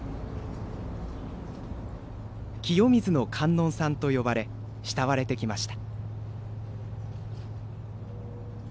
「清水の観音さん」と呼ばれ慕われてきました。